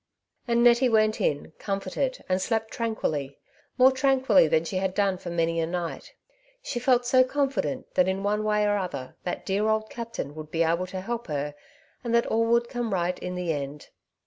And Nettie went in, comforted, and slept tran quilly — more tranquilly than she had done for many a night. She felt so confident that in one way or other that dear old captain would be able to help her, and that all would come right in the end.